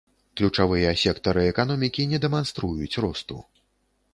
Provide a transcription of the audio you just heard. Ключавыя сектары эканомікі не дэманструюць росту.